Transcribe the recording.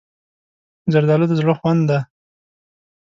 زردالو د زړه خوند دی.